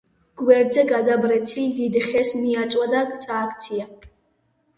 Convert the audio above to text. გვერდზე გადაბრეცილ დიდ ხეს მიაწვა და წააქცია.